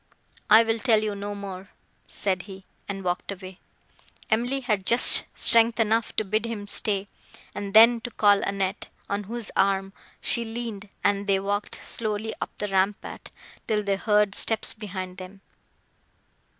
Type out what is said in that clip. "I will tell you no more," said he, and walked away. Emily had just strength enough to bid him stay, and then to call Annette, on whose arm she leaned, and they walked slowly up the rampart, till they heard steps behind them.